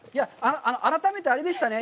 改めてあれでしたね。